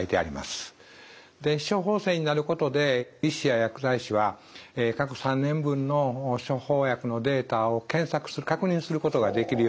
電子処方箋になることで医師や薬剤師は過去３年分の処方薬のデータを検索する確認することができるようになります。